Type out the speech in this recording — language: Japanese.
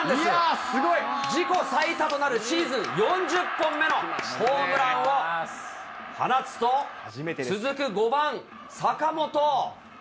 自己最多となるシーズン４０本目のホームランを放つと、続く５番坂本。